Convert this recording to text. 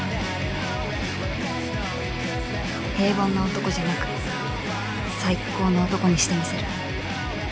平凡な男じゃなく最高の男にしてみせる